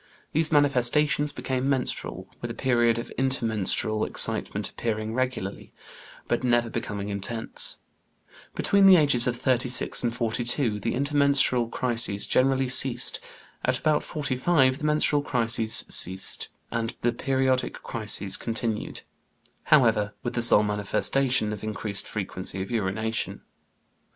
These manifestations became menstrual, with a period of intermenstrual excitement appearing regularly, but never became intense. Between the age of 36 and 42, the intermenstrual crises gradually ceased; at about 45, the menstrual crises ceased; the periodic crises continued, however, with the sole manifestation of increased frequency of urination (Société de Biologie, July 23, 1904).